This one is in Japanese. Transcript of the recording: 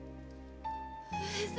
上様！